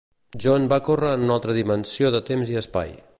John va córrer en una altra dimensió de temps i espai.